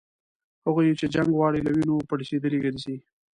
هغوی چي جنګ غواړي له وینو پړسېدلي ګرځي